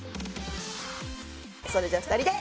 それじゃあ２人で。